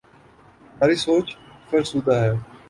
ہماری سوچ فرسودہ ہے۔